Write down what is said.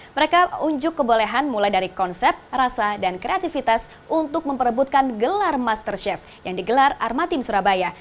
mereka unjuk kebolehan mulai dari konsep rasa dan kreativitas untuk memperebutkan gelar master chef yang digelar armatim surabaya